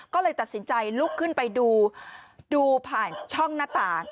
ก็เลยตัดสินใจลุกขึ้นไปดูดูผ่านช่องหน้าต่าง